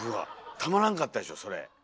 たまらんかったでしょそれ。